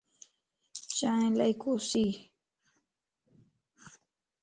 چائين الائي ڪوسيَ